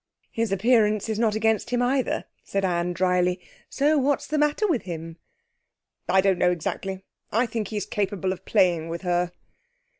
'His appearance is not against him either,' said Anne dryly; 'so what's the matter with him?' 'I don't know exactly. I think he's capable of playing with her.'